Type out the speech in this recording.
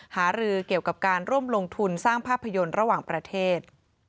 หารือเกี่ยวกับการร่วมลงทุนสร้างภาพยนตร์ระหว่างประเทศ